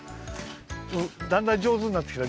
だんだんじょうずになってきた。